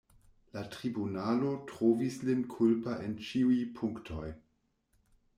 La tribunalo trovis lin kulpa en ĉiuj punktoj.